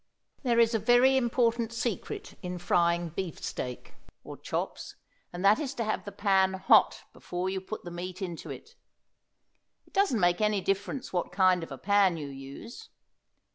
There is a very important secret in frying beefsteak, or chops, and that is to have the pan hot before you put the meat into it. It doesn't make any difference what kind of a pan you use.